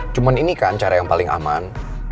cuma ini kan cara yang paling aman